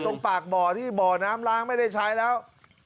ตรงปากบ่อที่บ่อน้ำล้างไม่ได้ใช้แล้ว